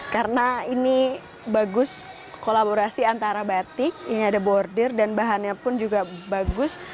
karena ini bagus kolaborasi antara batik ini ada bordir dan bahannya pun juga bagus